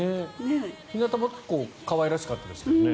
日なたぼっこは可愛らしかったですけどね。